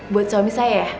buat suami saya ya